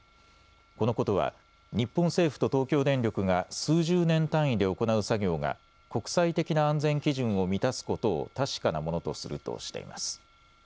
このことは日本政府と東京電力が数十年単位で行う作業が国際的な安全基準を満たすことを確かなものとするとしています。